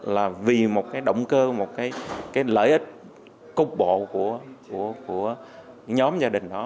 là vì một cái động cơ một cái lợi ích cục bộ của nhóm gia đình đó